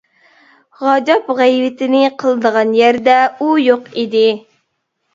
غاجاپ غەيۋىتىنى قىلىدىغان يەردە ئۇ يوق ئىدى.